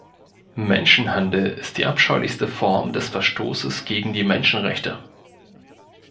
Menschenhandel ist die abscheulichste Form des Verstoßes gegen die Menschenrechte.